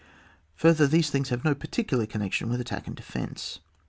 Further, these things have no particular connection with attack and de fence.